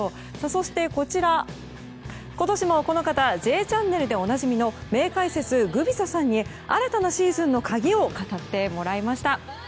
そしてこちら、今年もこの方「Ｊチャンネル」でおなじみの名解説グビザさんに新たなシーズンの鍵を語ってもらいました。